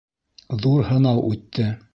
Ҙур һынау үтте.